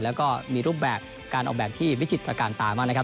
แล้วก็มีรูปแบบการออกแบบที่วิจิตประการตามากนะครับ